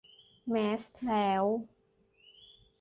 แมสแล้ว